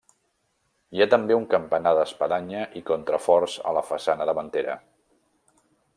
Hi ha també un campanar d'espadanya i contraforts a la façana davantera.